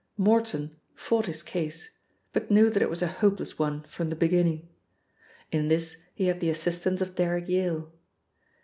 Morton fought his case, but knew that it was a hopeless one from the beginning. In this he had the assistance of Derrick Yale.